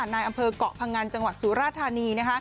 ในอำเภอกเกาะพงันจังหวัดสุราธานี